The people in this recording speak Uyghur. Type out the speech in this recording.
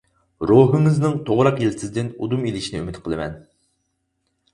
روھىڭىزنىڭ توغراق يىلتىزىدىن ئۇدۇم ئېلىشىنى ئۈمىد قىلىمەن!